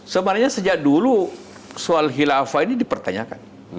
sebenarnya sejak dulu soal khilafah ini dipertanyakan